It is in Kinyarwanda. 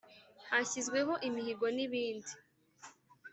hashyizweho, , imihigo n’ n’ibindi